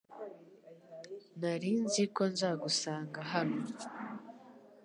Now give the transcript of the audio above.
Nari nzi ko nzagusanga hano .